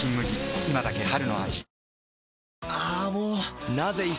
今だけ春の味